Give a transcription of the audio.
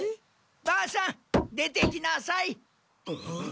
ばあさん出てきなさい。